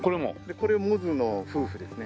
これモズの夫婦ですね。